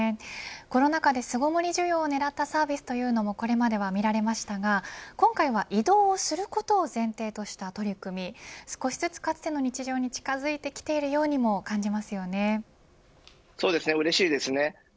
コロナ禍で巣ごもり需要狙ったサービスというのもこれまでは見られましたが今回は移動することを前提とした取り組み少しずつ、かつての日常に近付いてきているようにも感じますよね。